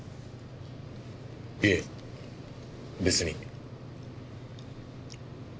いえ別に。